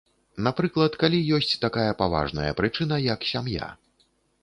Напрыклад, калі ёсць такая паважная прычына, як сям'я.